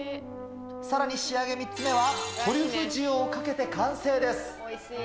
さらに仕上げ３つ目は、トリュフ塩をかけて完成です。